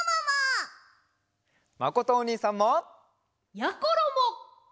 まことおにいさんも！やころも！